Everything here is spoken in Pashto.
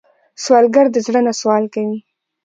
سوالګر د زړه نه سوال کوي